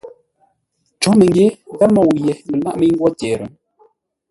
Cǒ məngyě gháp môu yé láʼ mə́i ngwó tyer.